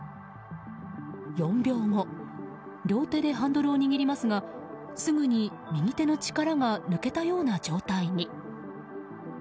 ４秒後両手でハンドルを握りますがすぐに右手の力が抜けたような状態に。